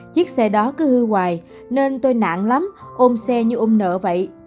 chiếc xe đó cứ hư hoài nên tôi nản lắm ôm xe như ôm nở vậy